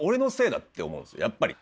やっぱり。